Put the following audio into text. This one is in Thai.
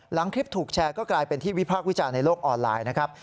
หลังคลิปถูกแชร์ก็กลายเป็นที่วิพากษ์วิจารณ์ในโลกออนไลน์นะครับ